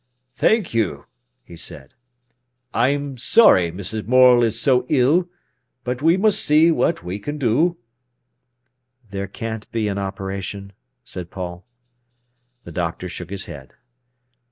"Thank you!" he said. "I'm sorry Mrs. Morel is so ill. But we must see what we can do." "There can't be an operation?" said Paul. The doctor shook his head.